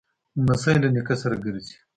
لمسی له نیکه سره ګرځي.